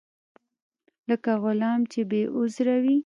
لکه غلام چې بې عذره وي.